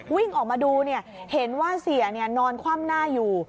วิ่งออกมาดูเห็นว่าเสียนอนคว่ำหน้าอยู่